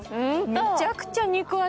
めちゃくちゃ肉厚！